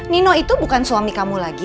nino itu bukan suami kamu lagi